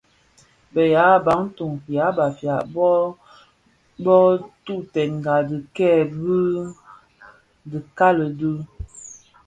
Bi yaa Bantu (yan Bafia) bo dhubtènga dhikèè bi dhikali dü,